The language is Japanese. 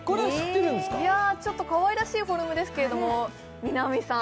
いやちょっとかわいらしいフォルムですけども南さん